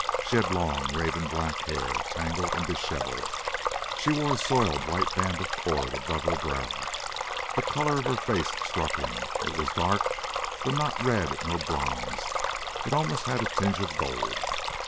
She had long, raven black hair, tangled and disheveled, and she wore a soiled white band of cord above her brow. The color of her face struck him; it was dark, but not red nor bronzed; it almost had a tinge of gold.